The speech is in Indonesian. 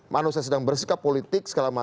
manusia yang sedang bersikap politik